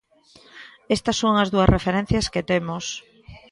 Estas son as dúas referencias que temos.